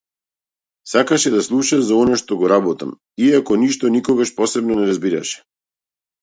Сакаше да слуша за она што го работам, иако ништо никогаш посебно не разбираше.